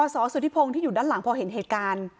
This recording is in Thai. สสุธิพงศ์ที่อยู่ด้านหลังพอเห็นเหตุการณ์